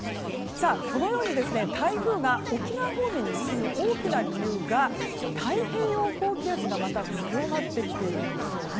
このように台風が沖縄方面に進む大きな理由が太平洋高気圧がまた強まってきているんですよ。